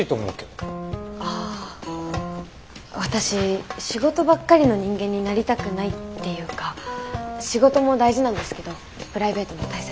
ああ私仕事ばっかりの人間になりたくないっていうか仕事も大事なんですけどプライベートも大切にしたいんで。